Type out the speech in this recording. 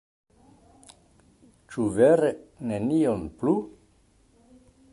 Ĉu vere nenion plu?